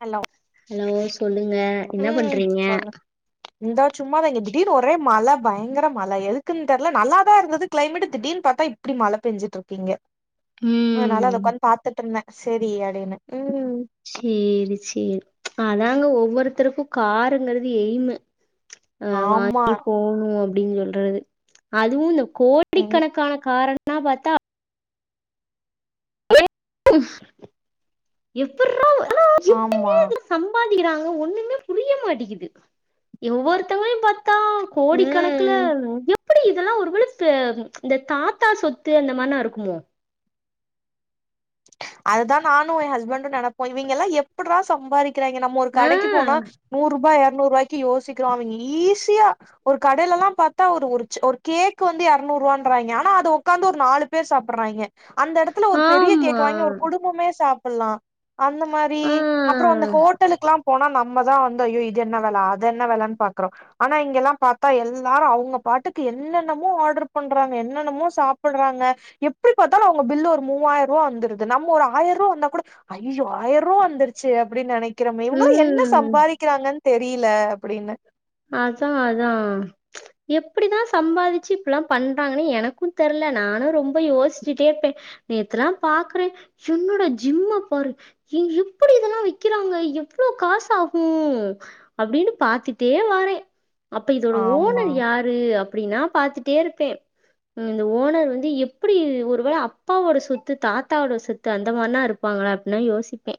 Hello hello சொல்லுங்க என்ன ம் பண்றீங்க சொல்லு இந்தா சும்மாதா இங்க திடீர்னு ஒரே மழ பயங்கர மழ எதுக்குன் தெர்ல நல்லாதா இருந்தது கிளைமேட்டு திடீர்ன்னு பாத்தா இப்டி மழ பெஞ்சிட்ருக்கு இங்க அதனால அத ம் ஒக்காந்து பாத்துட்ருந்தே சேரி அப்டின்னு ம் சேரி சேரி அதாங்க ஒவ்வொருத்தருக்கு காருங்கிறது எயிமு அ ஆமா வாங்கி போணு அப்டின் சொல்றது அதுவு இந்த எங் கோடிக்கணக்கான காரண நா பாத்தா எப்புட்றா ஆனா எப்டிங்க ஆமா இது சம்பாதிக்கிறாங்க ஒன்னுமே புரிய மாட்டிக்குது ஒவ்வொருத்தங்களையு பாத் தா கோடி கணக்குல ம் ஐயோ எப்டி இதெல்லா ஒரு வேள இப்ப இந்த தாத்தா சொத்து அந்த மாரிலா இருக்குமோ அததா நானு எ ஹஸ்பண்டு நெனப்போ இவங்கெல்லா எப்புட்றா சம்பாதிக் க்கிறாங்கெ நம்ம ஒரு ஆ கடைக்கு போனா நூறுபா எரநூறு ரூவாய்க்கு யோசிக்கிறோ அவங்கெ ஈஸியா ஒரு கடைலலா பாத்தா ஒரு ஒருச்சு ஒரு கேக்கு வந்து எரநூறுவான்றாங்கெ ஆனா அத ஒக்காந்து ஒரு நாலு பேர் சாப்புட்றாங்கெ அந்த எடத்துல ஒரு பெரிய ஆமா கேக்க வாங்கி ஒரு குடும்பமே சாப்புட்லா அந்த மாரி ஆ அப்றோ அந்த ஹோட்டலுக்குலா போனா நம்மதா வந்து ஐயோ இது என்ன வெல அது என்ன வெலன் பாக்குறோ ஆனா இங்கெல்லா பாத்தா எல்லாரு அவ்ங்க பாட்டுக்கு என்னென்னமோ ஆர்ட்ரு பண்றாங்க என்னென்னமோ சாப்புட்றாங்க எப்டி பாத்தாலு அவ்ங்க பில்லு ஒரு மூவாயிர் ரூவா வந்துருது நம்ம ஒரு ஆயர்ரூவா வந்தா கூட ஐயயோ ஆயர்ரூவா வந்துருச்சே அப்டின் நெனைக் க்குறமே இவ்ங்களா என்ன ம் சம்பாதிக்கிறாங்கன் தெரியில அப்டின்னு அதா அதா எப்டிதா சம்பாதிச்சு இப்பிட்லா பண்றாங்கனே எனக்கு தெர்ல நானு ரொம்ப யோஸ்ச்சுட்டே இருப்பே நேத்துலா பாக்குறே என்னடா ஜிம்ம பாரு ஏ எப்டி இதெல்லா வெக்கிறாங்க எவ்ளோ காசு ஆகு அப்டினு பாத்து ட்டே வாரே அப்ப இதோட ஆமா ஓனர் யாரு அப்டின்னா பாத்துட்டேருப்பே ம் இந்த ஓனர் வந்து எப்டி ஒரு வேள அப்பாவோட சொத்து தாத்தாவோட சொத் அந்த மார்னா இருப்பாங்களா அப்டினா யோசிப்பே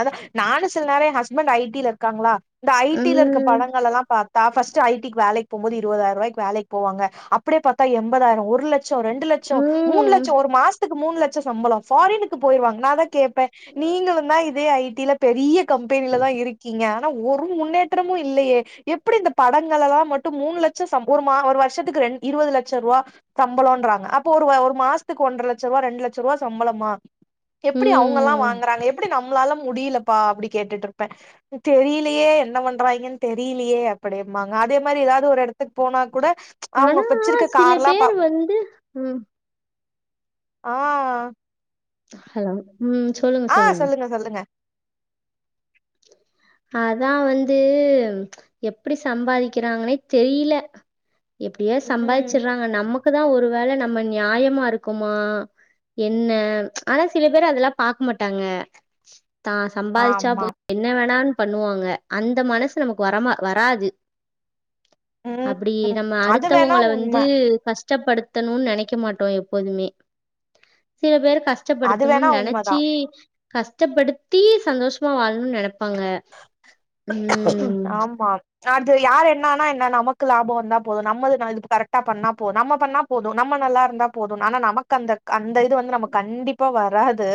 அதா நானு சில நேர எ ஹஸ்பண்ட் ஐ டி ல இருக்காங்களா இந்த ஐ டி ல இருக்க உம் படங்களெல்லா பாத் தா ஃபஸ்ட்டு ஐ டி க்கு வேலைக்கு போம்போது இருவதாயரூவாய்க்கு வேலைக்கு போவாங்க அப்டியே பாத்தா எம்பதாயிரோ ஒரு லெட் ச்ச ரெண்டு லெட்ச மூணு உம் லெட்சம் ஒரு மாசத்துக்கு மூணு லெட்ச சம்பள ஃபாரினுக்கு போயிருவாங்க நா அதா கேப்பே நீங்களுந்தா இதே ஐ டி ல பெரிய கம்பெனில தா இருக்கீங்க ஒரு முன்னேற்றமு இல்லயே எப்டி இந்த படங்களெல்லா மட்டு மூணு லட்சம் சம் ஒரு ஒரு வருஷத்துக்கு ரெண் இருவது லச்சர்வா சம்பளோன்றாங்க அப்போ ஒரு ஒரு மாசத்துக்கு ஒன்ற லச்சர்வா ரெண்டு லச்சர்வா சம்பளமா எப்டி அவங்கலா உம் வாங்குறாங்க எப்டி நம்ளால முடிலப்பா அப்டி கேட்டுட்ருப்பே தெரிலையே என்ன பண்றாங்கன்னு தெரிலையே அப்டிம்பாங்க அதே மாரி எதாது ஒரு எடத்துக்கு போனா கூட அவங்க ஆனா வச்சிருக்க சில கார்லா பேர் பாப்போ வந்து ம் ஆ ஹலோ ம் சொல்லுங்க சொல்லுங்க இப்ப சொல்லுங்க அதா வந்து எப்டி சம்பாதிக்கிறாங்கன்னே தெரில எப்டியே ம் சம்பாதிச்சிர்றாங்க நமக்குதா ஒரு வேள நம்ம நியாயமா இருக்கமா என்ன ஆனா சில பேர் அதெல்லா பாக்க மாட்டாங்க தா சம்பாதிச்சா ஆமா போது என்ன வேணாலு பண்ணுவாங்க அந்த மனசு நமக்கு வரமா வராது ம் அப்டி நம்ம அது வேணா அடுத்தவங்கள உண்ம வந்து கஷ் ட்டப்படுத்தணுனு நெனைக்க மாட்டோ எப்போதுமே சில பேர் கஷ் அது வேணா கஷ்டப்படுத்தணுனு உண்மதா நெனச்சி கஷ்டப்படுத்தி சந்தோசமா வாழணுனு நெனப்பாங்க ம் ஆமாம் அது யார் என்னான என்ன நமக்கு லாப வந்தா போது நம்ளுக்கு கரெக்டா பண்ணா போது நம்ம பண்ணா போது நம்ம நல்லா இருந்தா போது ஆனா நமக்கு அந்த அந்த இது வந்து நமக்கு கண்டிப்பா வராது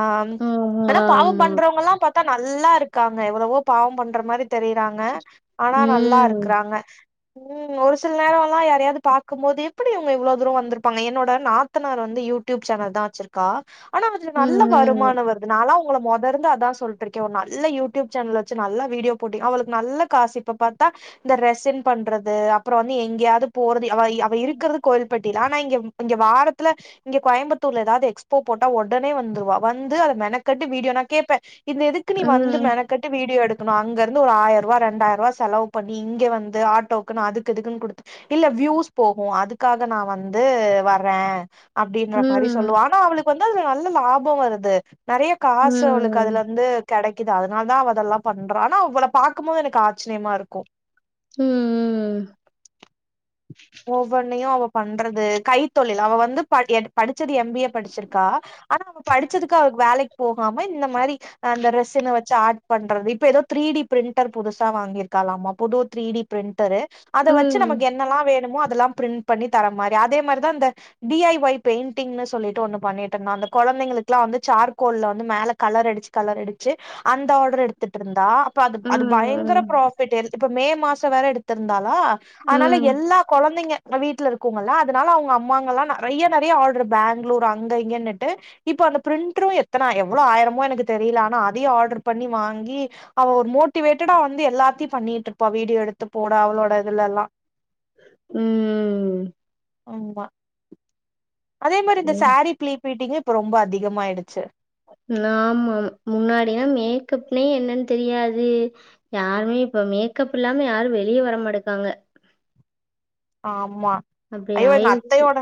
ஆம் ஆமா, ஆனா பாவ ஆமா. பண்றவங்கல்லா பாத்தா நல்லா இருக்காங்க எவ்ளவோ பாவம் பண்ற மாரி தெரிறாங்க ஆனா நல்லா ம். இருக்றாங்க ம் ஒரு சில நேரெல்லா யாரயாது பாக்குபோது எப்டி இவங்க இவ்ளோ தூரோ வந்துருப்பாங்க என்னோட நாத் தனார் வந்து யூடியூப் சேனல் தா வச்சிருக்கா ஆனா அதுல நல்ல ம், வருமான வரு நாலா ஒங்கள மொத இருந்து அதா சொல்ட்டு இருக்கே ஒரு நல்ல யூடியூப் சேனல் வச்சி நல்லா வீடியோ போட்டு அவுளுக்கு நல்ல காசு இப்ப பாத்தா இந்த ரெஸன் பண்றது அப்றோ வந்து எங்யாது போறது அவ அவ இருக்றது கோவில்பட்டில ஆனா இங்க இங்க வாரத்துல இங்க கோயம்புத்தூர்ல எதாது எக்ஸ்போ போட்டா ஒடனே வந்துருவா வந்து அத மெனக்கட்டு வீடியோ நா கேப்பே இந்த எதுக்கு நீ ம். வந்து ம். மெனக்கட்டு வீடியோ எடு க்னு அங்க இருந்து ஒரு ஆயர்வா ரெண்டாயிர்வா செலவு பண்ணி இங்க வந்து ஆட்டோக்னு அதுக்கிதுக்குனு குடுத்திட் இல்ல வியூஸ் போகு அதுக்காக நா வந்து வறே அப்டின்ற மாரி சொல்லுவா ம். ஆனா அவுளுக்கு வந்து அதுல நல்ல லாப வருது நெறைய காசு அவுளுக்கு அதுல ம். இருந்து கெடைக்குது அதனால தா அவ அதெல்லா பண்றா ஆனா அவள பாக்கும் போது எனக்கு ஆச்சிரியமா இருக்கு ம் ம். ஒவ்வொன்னையு அவ பண்றது கைத்தொழில் அவ வந்து படி எடுத் படிச்சது எம் பி ஏ படிச்சிருக்கா ஆனா அவ படிச்சதுக்கு அவ வேலைக்கு போகாம இந்த மாரி அந்த ரெஸுனு வச்சி ஆட் பண்றது இப்ப எதோ த்ரீடி பிரிண்டர் புதுசா வாங்கிருக்காலாமா புது த்ரீடி பிரிண்டரு அத வச்சி நமக்கு ம். என்னெல்லா வேணுமோ அதெல்லா பிரிண்ட் பண்ணி தர மாரி அதே மாரிதா இந்த டி ஐ ஒய் பெயிண்டிங்னு சொல்லிட்டு ஒன்னு பண்ணிட்ருந்தா அந்த கொழந்தைங்களுக்லா வந்து சார்கோல்ல வந்து மேல கலர் அடிச்சி கலர் அடிச்சி அந்த ஆட்ரு எடுத் திட்ருந்தா அப்ப அது அது பயங்கர ம். பிராஃபிட் இப்ப மே மாச வேற எடுத் திருந்தாலா அதனால எல்லா கொழந்தைங்க இங்க வீட்ல இருக்குங்கல்லா அதனால அவங்க அம்மாங்கல்லா நெறைய நெறைய ஆட்ரு பேங்ளூர் அங்க இங்கனுட்டு இப்ப அந்த பிரிண்ட்ரு எத்தன எவ்ளோ ஆயிரமோ எனக்கு தெரில ஆனா அதயு ஆட்ரு பண்ணி வாங்கி அவ ஒரு மோட்டிவேட்டடா வந்து எல்லாத்தியு பண்ணிட்ருப்பா வீடியோ எடுத்து போட அவளோட இதுல எல்லா ம் ஆமா அதே மாரி இந்த சாரீ பிளீ பீட்டிங்கு இப்ப ரொம்ப அதிகமாயிடுச்சு ஆமா முன்னாடினா மேக்கப்னே என்னன்னு தெரியாது யாருமே இப்ப மேக்கப் இல்லாம யாரு வெளிய வரமாட்டிக்காங்க ஆமா அப்டி ஐயோ எங்க ஆயிருச்சு. அத்தையோட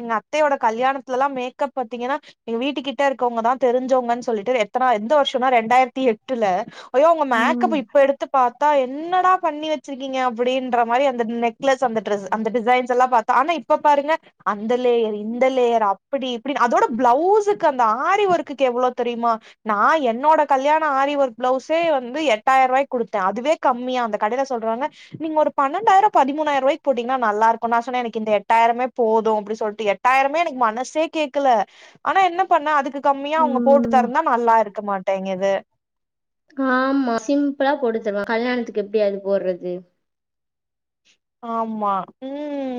எங்க அத்தையோட கல்யாணத்துலல்லா மேக்கப் பாத்தீங்கன்னா எங்க வீட்டுக்கிட்ட இருக்கவங்கதா தெரிஞ்சவங்கன்னு சொல்லிட்டு எத்தனா எந்த வருஷனா ரெண்டாயிரத்தி எட்டுல ஐயோ அவுங்க ம். மேக்கப்ப இப்ப எடுத்து பாத்தா என்னடா பண்ணி வெச்சிருக்கீங்க அப்படின்ற மாரி அந்த நெக்லஸ் அந்த ட்ரெஸ் அந்த டிசைன்ஸ் எல்லா பாத்தா ஆனா இப்ப பாருங்க அந்த லேயர் இந்த லேயர் அப்டி இப்டின் அதோட பிளவுஸுக்கு அந்த ஆரி ஒர்க்குக்கு எவ்ளோ தெரியுமா நா என்னோட கல்யாண ஆரிவொர்க் பிளவுஸே வந்து எட்டாயிரரூபாய்க் கொடுத்தே அதுவே கம்மியா அந்த கடைல சொல்றாங்க நீங்க ஒரு பன்னெண்டாயிரோ பதிமூணாயிரூவாய் போட்டீங்கன்னா நல்லா இருக்கு நா சொன்னே எனக்கு இந்த எட்டாயிரமே போது அப்டினு சொல்ட்டு எட்டாயிரமே எனக்கு மனசே கேட்கல ஆனா என்ன பண்ண அதுக்கு கம்மியா அவுங்க போட்டு ம். தரனா நல்லாருக்க மாட்டேங்குது ஆமா சிம்பிளா போட்டு தருவாங் கல்யாணத்துக்கு எப்டி அது போடுறது ஆமா ம்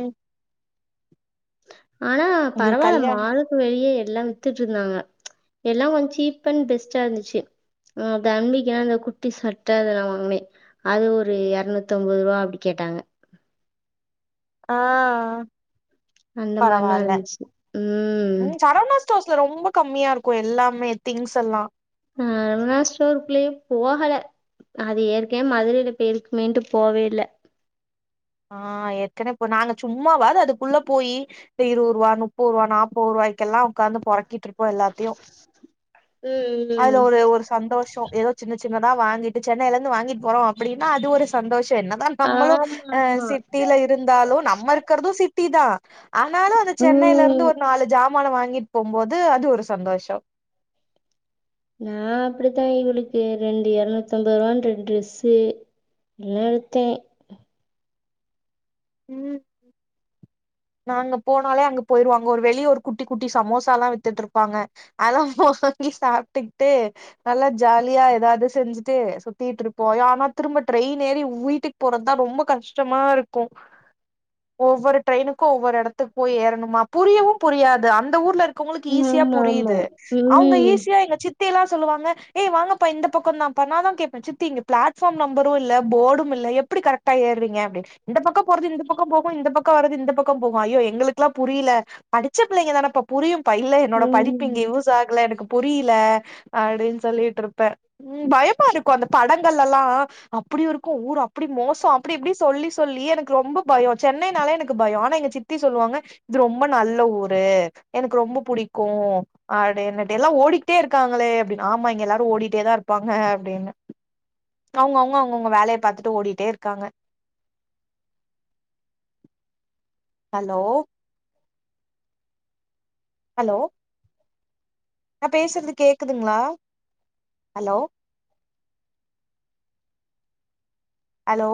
ஆனா உங்களுக்கு பரவாயில்ல கல்யாணம் மாலுக்கு வெளிய எல்லா வித்துட்டுருந்தாங்க எல்லா கொஞ்சோ சீப் அண்ட் பெஸ்ட்டா இருந்துச்சு அ தம்பிக்கலா இந்த குட்டி சட்ட அதலா வாங்குனே அது ஒரு இரநூத்தம்பது ரூவா அப்டி கேட்டாங்க ஆ அந்த மார்னா பரவால்ல இருந்துச்சு ம் தாஸ்ல ரொம்ப கம்மியா இருக்கு எல்லாமே திங்ஸ் எல்லா அ அருணா ஸ்டோருக்குள்ளே போகல அது ஏற்கனயே மதுரைல போய் இருக்கமேன்ட்டு போவே இல்ல ஆ ஏற்கனவே போ நாங்க சும்மாவாது அதுக்குள்ள போயி இருவருவா முப்போருவா நாப்பது ரூவாய்க்கெல்லா உக்காந்து பொறக்கிட்டு இருப்போ எல்லாத்தையு ம் ம். அதுல ஒரு ஒரு சந்தோஷோ எதோ சின்ன சின்னதா வாங்கிட்டு சென்னையில வாங்கிட்டு போறோ அப்டின்னா அது ஒரு சந்தோஷ என்னதா நம்மளு ஆமாமா. சிட்டியில இருந்தாலு நம்ம இருக்கிறது சிட்டி தா ஆனாலு அந்த சென்னையில இருந்து ம். ஒரு நாலு ஜாமான வாங்கிட்டு போம்போது அது ஒரு சந்தோஷ நா அப்டித்தா இவளுக்கு ரெண்டு இரநூத்தம்பது ருவான் ரெண்டு ட்ரெஸ்ஸு ன்னு எடுத்தே ம் நாங்க போனாலே அங்க போயிருவோ அங்க ஒரு வெளிய ஒரு குட்டி குட்டி சமோசா எல்லா வித்துட்டு இருப்பாங்க அதல்லா வாங்கி சாப்ட்டுக்கிட்டு நல்லா ஜாலியா எதாவது செஞ்சுட்டு சுத்திட்டு இருப்போ யானா திரும்ப ட்ரெயின் ஏறி வீட்டுக்கு போறதா ரொம்ப கஷ்டமா இருக்கு ஒவ்வொரு ட்ரெயினுக்கு ஒவ்வொரு இடத்துக்கு போய் ஏறணுமா புரியவு புரியாது அந்த ஊர்ல இருக் கவுங்களுக்கு ஈஸியா ஆமா ஆமா புரியுது அவுங்க ம் ஈஸியா எங்க சித் தில்லா சொல்லுவாங்க ஏய் வாங்கப்பா இந்த பக்கந்தாப்பா நா அதா கேப்பே சித்தி இங்க பிளாட்பார்ம் நம்பரு இல்ல போர்டும் இல்ல எப்டி கரெக்டா ஏறிங்க அப்டின்னு இந்த பக்கம் போறது இந்த பக்கம் போகு இந்த பக்க வரது இந்த பக்க போகு ஐயோ எங்களுக்குல்லா புரியல படிச்ச பிள்ளைங்க தானேப்ப புரியுப்பா இல்ல என்னோட படிப்பு ம் இங்க யூஸ் ஆகல எனக்கு புரிய்ல அப்டின்னு சொல்லிட்ருப்பே ம் பயமா இருக்கு அந்த படங்கள் எல்லா அப்டி இருக்கு ஊர் அப்டி மோசோ அப்டி இப்டி சொல்லி சொல்லி எனக்கு ரொம்ப பயோ சென்னைனாலே எனக்கு பயோ ஆனா எங்க சித்தி சொல்லுவாங்க இது ரொம்ப நல்ல ஊரு எனக்கு ரொம்ப புடிக்கு அப்டீனுட்டு எல்லா ஓடிக்கிட்டே இருக்காங்களே அப்டினு ஆமா இங்க எல்லாரு ஓடிட்டே தா இருப்பாங்க அப்டின்னு அவங்கவுங்க அவுங்கவுங்க வேலய பாத்துட்டு ஓடிட்டே இருக்காங்க ஹலோ ஹலோ நா பேசுறது கேக்குதுங்ளா ஹலோ ஹலோ